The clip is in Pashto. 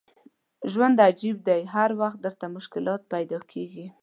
ژوند عجیب دی هر وخت درته مشکلات پیدا کېږي.